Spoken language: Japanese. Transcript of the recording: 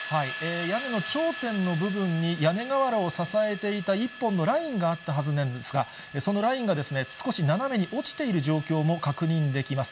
屋根の頂点の部分に屋根瓦を支えていた１本のラインがあったはずなんですが、そのラインが少し斜めに落ちている状況も確認できます。